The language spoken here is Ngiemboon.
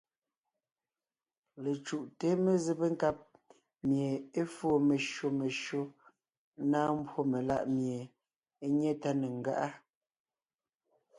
Lecǔʼte mezébé nkáb mie é fóo meshÿó meshÿó, ńnáa mbwó meláʼ mie é nyé tá ne ńgáʼa.